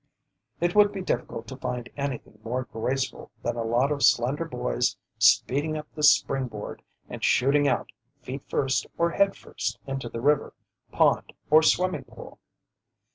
It would be difficult to find anything more graceful than a lot of slender boys speeding up this spring board and shooting out, feet first or head first, into the river, pond or swimming pool.